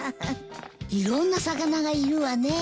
いろんな魚がいるわね。